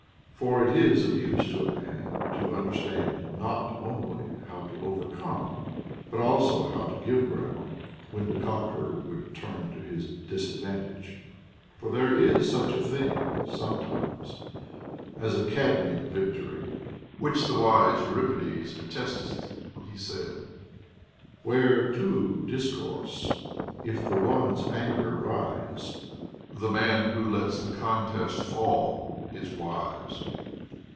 For it is of use to a man to understand not only how to overcome, but also how to give ground when to conquer would turn to his disadvantage. For there is such a thing sometimes as a Cadmean victory ; which the wise Euripides attesteth, when he saith, —* Hesiod, \Yorks and Days, 371. OF THE TRAINING OF CHILDREN. 2f3 Where two discourse, if the one's anger rise, Tlie man wlio lets the contest fall is wise.